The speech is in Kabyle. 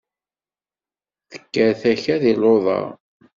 Tekker takka di luḍa!